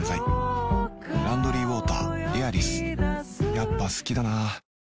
やっぱ好きだな